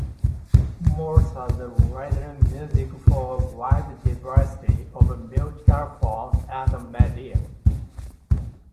Morris has written music for a wide diversity of musical forms and media.